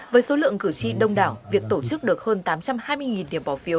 với số lượng cử tri đông đảo việc tổ chức được hơn tám trăm hai mươi điểm bỏ phiếu